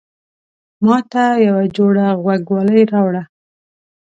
ماته يوه جوړه غوږوالۍ راوړه